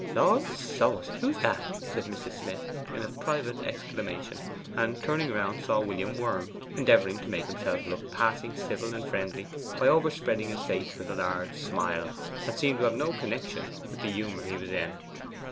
'Lord so's, who's that?' said Mrs. Smith, in a private exclamation, and turning round saw William Worm, endeavouring to make himself look passing civil and friendly by overspreading his face with a large smile that seemed to have no connection with the humour he was in.